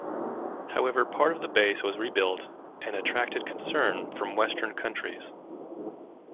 However, part of the base was rebuilt and attracted concern from Western countries.